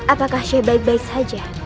apakah syah baik baik saja